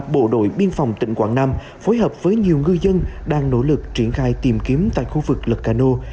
bộ đội biên phòng tỉnh quảng nam phối hợp với nhiều ngư dân đang nỗ lực triển khai tìm kiếm tại khu vực lật càno